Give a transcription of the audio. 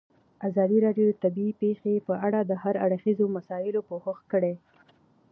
ازادي راډیو د طبیعي پېښې په اړه د هر اړخیزو مسایلو پوښښ کړی.